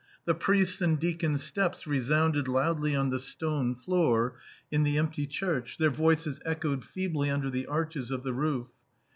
The priest's and deacon's steps resounded loudly on the stone floor in the empty 256 A COMMON STORY church ; their voices echoed feebly under the arches of the roof.